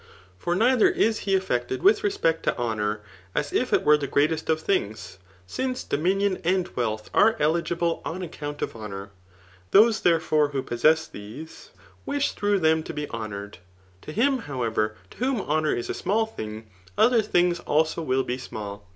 For neither is die affected with eespect to honour^ as if it were the greatest ctf things^ since dogrfnion and wealth a«e eUgiUe ^cxk account of hoooBK Jboee, ther^orre, who possess tbese^ wish through>them to be lumoured. To him, however, to whom honour is a small thing, oth^ things abo will be small.